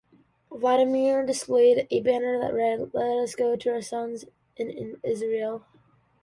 Vladimir displayed a banner that read "Let us go to our son in Israel".